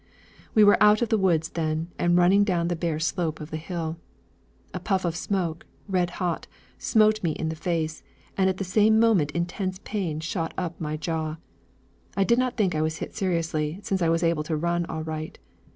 We were out of the woods then, and running down the bare slope of the hill. A puff of smoke, red hot, smote me in the face, and at the same moment intense pain shot up my jaw. I did not think I was hit seriously, since I was able to run all right.